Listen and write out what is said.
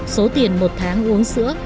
số tiền một tháng uống sữa